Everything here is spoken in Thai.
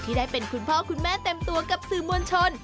ได้เป็นคุณพ่อคุณแม่เต็มตัวกับสื่อมวลชน